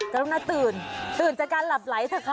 ก็ต้องน่าตื่นตื่นจากการหลับไหลเถอะคะ